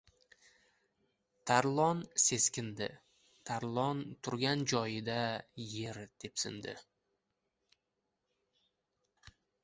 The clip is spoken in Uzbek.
Tarlon seskandi, Tarlon turgan joyida yer depsindi.